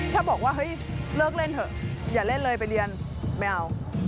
ถ้าบอกว่าเฮ้ยเลิกเล่นเถอะอย่าเล่นเลยไปเรียนไม่เอา